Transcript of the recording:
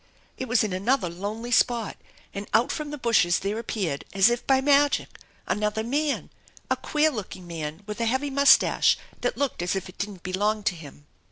It was in another lonely spot, and out from the bushes there appeared, as if by magic, another man, a queer looking man with a heavy mustache that looked as if it didL't belong to him.